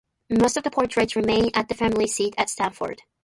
Most of the portraits remain at the family seat at Stanford.